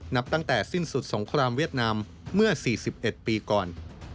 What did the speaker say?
นับตั้งแต่สิ้นสุดสงครามเวียดนามเมื่อ๔๑ปีก่อน